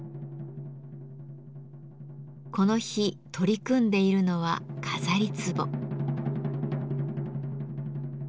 この日取り組んでいるのは飾り壺。